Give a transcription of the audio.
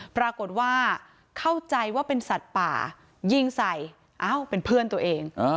ปรากฏว่าเข้าใจว่าเป็นสัตว์ป่ายิงใส่อ้าวเป็นเพื่อนตัวเอง